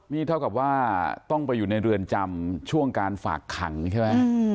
นี่เท่ากับว่าต้องไปอยู่ในเรือนจำช่วงการฝากขังใช่ไหม